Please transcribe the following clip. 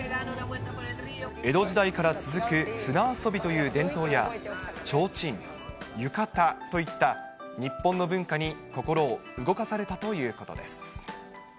江戸時代から続く船遊びという伝統や、ちょうちん、浴衣といった、日本の文化に心を動かされたということです。